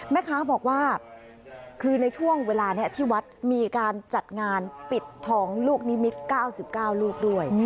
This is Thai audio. แม่ค้าบอกว่าคือในช่วงเวลานี้ที่วัดมีการจัดงานปิดทองลูกนิมิตร๙๙ลูกด้วย